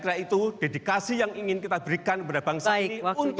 saya kira itu dedikasi yang ingin kita berikan kepada bangsamaria untuk indonesia maju